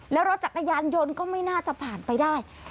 แล้วรถจักรยานยนต์ก็ไม่น่าจะผ่านไปได้